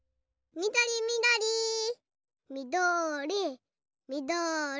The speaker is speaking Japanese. みどりみどりみどりみどり。